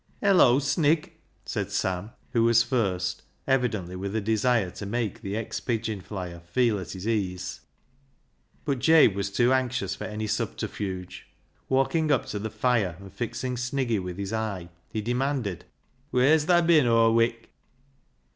" Hello, Snig !" said Sam, who was first, evidently with a desire to make the ex pigeon flyer feel at his ease. But Jabe was too anxious for any subterfuge. Walking up to the fire, and fixing Sniggy with his eye, he demanded —" Wheer's thaa bin aw wik